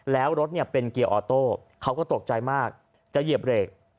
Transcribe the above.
แล้วรถเป็นเกียร์ออโต้เขาก็ตกใจมากจะเหยียบเบรก